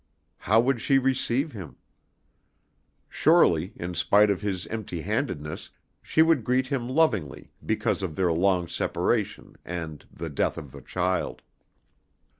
How would she receive him? Surely, in spite of his empty handedness, she would greet him lovingly because of their long separation and the death of the child.